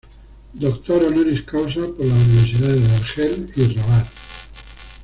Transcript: Doctor "honoris causa" por las universidades de Argel y Rabat.